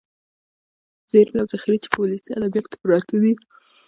ذېرمې او ذخيرې چې په ولسي ادبياتو کې پراتې دي.